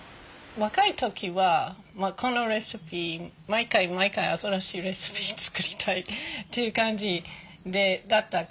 若い時はこのレシピ毎回毎回新しいレシピ作りたいという感じだったから。